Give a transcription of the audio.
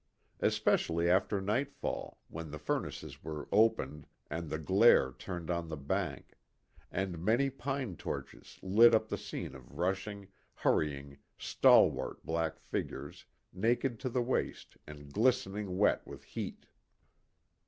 Especially after nightfall when the furnaces were opened and the glare turned on the bank, and many pine torches lit up the scene of rushing, hurry ing, stalwart black figures naked to the waist and glistening wet with heat.